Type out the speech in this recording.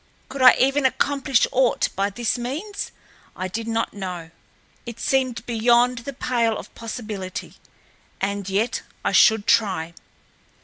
Could I even accomplish aught by this means? I did not know. It seemed beyond the pale of possibility, and yet I should try.